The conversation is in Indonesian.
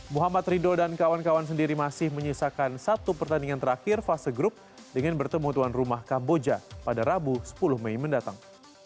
muhammad rido dan kawan kawan sendiri masih menyisakan satu pertandingan terakhir fase grup dengan bertemu tuan rumah kamboja pada rabu sepuluh mei mendatang